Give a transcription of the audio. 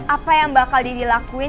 apa yang bakal didilakuin